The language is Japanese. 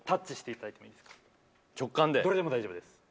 どれでも大丈夫です。